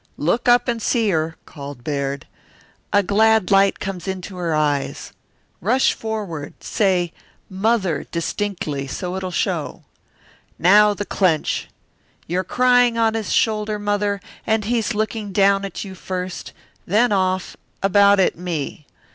"Look up and see her," called Baird. "A glad light comes into her eyes. Rush forward say 'Mother' distinctly, so it'll show. Now the clench. You're crying on his shoulder, Mother, and he's looking down at you first, then off, about at me.